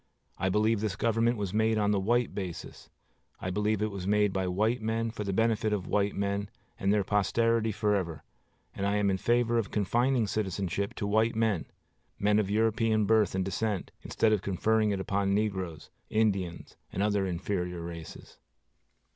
I believe this government was made on the white basis. I believe it was made by white men, for the benefit of white men and their posterity forever; and I am in favor of confining citizenship to white men, men of European birth and descent, instead of conferring it upon negroes, Indians, and other inferior races.